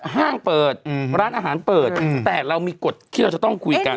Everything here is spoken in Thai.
ห้างเปิดร้านอาหารเปิดแต่เรามีกฎที่เราจะต้องคุยกัน